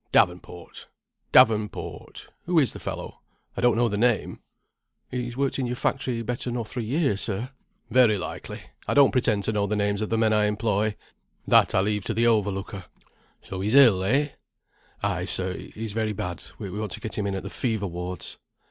"Davenport Davenport; who is the fellow? I don't know the name." "He's worked in your factory better nor three year, sir." "Very likely; I don't pretend to know the names of the men I employ; that I leave to the overlooker. So he's ill, eh?" "Ay, sir, he's very bad; we want to get him in at the fever wards.